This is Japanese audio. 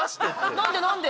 何で何で？